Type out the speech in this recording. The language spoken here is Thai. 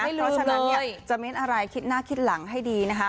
เพราะฉะนั้นเนี่ยจะเม้นอะไรคิดหน้าคิดหลังให้ดีนะคะ